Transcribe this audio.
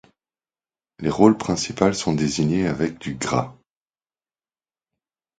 Les rôles principales sont désignés avec du gras.